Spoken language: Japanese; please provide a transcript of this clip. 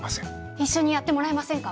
一緒にやってもらえませんか？